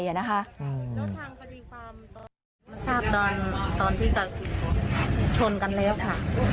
มันทราบตอนที่กับชนกันแล้วค่ะ